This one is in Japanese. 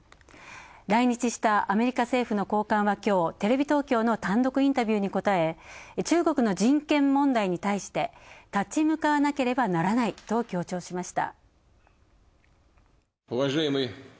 来日したアメリカ政府の高官はきょう、テレビ東京の単独インタビューに答え、中国の人権問題に対して、立ち向かわなければならないと強調しました。